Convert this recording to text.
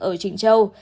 ở trịnh châu